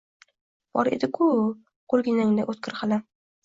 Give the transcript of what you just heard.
Bor edi-ku qo‘lginangda o‘tkir qalam».